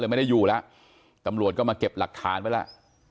ไม่ได้อยู่แล้วตำรวจก็มาเก็บหลักฐานไปแล้ว